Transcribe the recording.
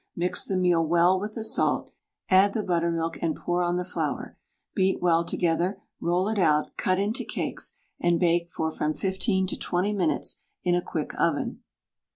Mix the meal well with the salt, add the buttermilk and pour on the flour; beat well together, roll it out, cut into cakes, and bake for from 15 to 20 minutes in a quick oven.